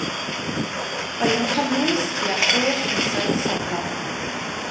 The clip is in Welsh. Roedd yn cynnwys tua chwech neu saith safle.